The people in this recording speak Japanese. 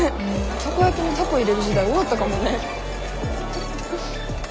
タコ焼きにタコ入れる時代終わったかもね。